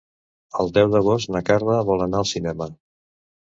El deu d'agost na Carla vol anar al cinema.